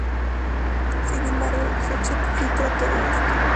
Sin embargo, su chip filtra todo esto.